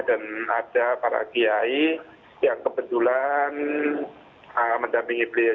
dan ada para kiai yang kebetulan mendampingi beliau